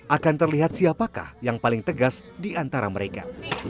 akan terlihat siapakah yang paling tegas diantara mereka